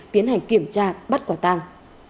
tiến hành kiểm tra bắt quả tang